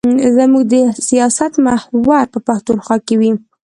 زموږ د سیاست محور به پښتونخوا وي.